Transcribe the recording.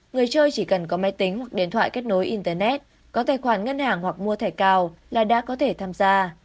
người chơi chỉ cần có máy tính hoặc điện thoại kết nối internet có tài khoản ngân hàng hoặc mua thẻ cao là đã có thể tham gia